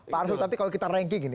pak arsul tapi kalau kita ranking gini